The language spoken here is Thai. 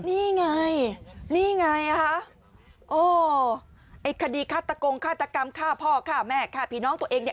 นี่ไงนี่ไงคะโอ้ไอ้คดีฆาตกงฆาตกรรมฆ่าพ่อฆ่าแม่ฆ่าผีน้องตัวเองเนี่ย